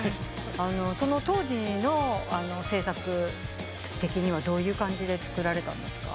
その当時の制作的にはどういう感じで作られたんですか？